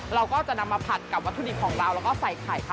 เราก็จะนำมาผัดกับวัตถุดิบของเราแล้วก็ใส่ไข่ค่ะ